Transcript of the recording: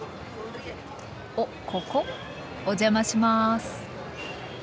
おっここお邪魔します。